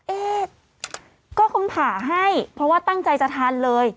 เอ๊ะก็คุณผ่าให้เพราะว่าตั้งใจจะทานเลย